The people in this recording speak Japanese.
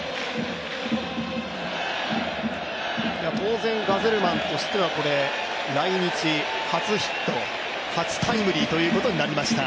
当然、ガゼルマンとしてはこれ来日、初ヒット初タイムリーということになりました。